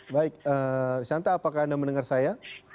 baik risanta apakah anda mendengar saya